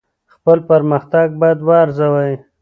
خپل پرمختګ باید وارزوئ.